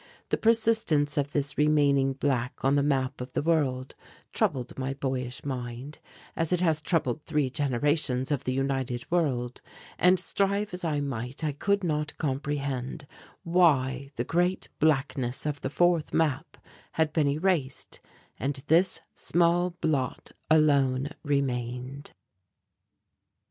The persistence of this remaining black on the map of the world troubled my boyish mind, as it has troubled three generations of the United World, and strive as I might, I could not comprehend why the great blackness of the fourth map had been erased and this small blot alone remained.